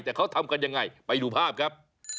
แต่เขาทำกันยังไงไปดูภาพครับ